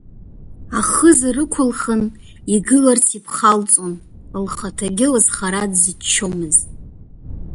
Ахыза рықәылхын, игыларц иԥхалҵон, лхаҭагьы лызхара дзыччомызт.